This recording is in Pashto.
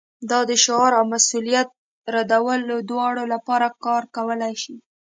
دا د شعار او مسؤلیت ردولو دواړو لپاره کار کولی شي